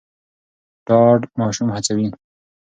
ډاډ ماشوم هڅوي.